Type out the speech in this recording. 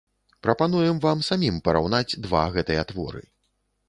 Прапануем вам самім параўнаць два гэтыя творы.